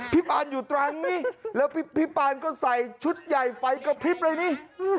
ปานอยู่ตรังนี่แล้วพี่ปานก็ใส่ชุดใหญ่ไฟกระพริบเลยนี่